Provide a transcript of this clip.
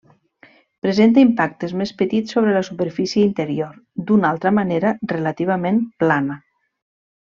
Presenta impactes més petits sobre la superfície interior, d'una altra manera relativament plana.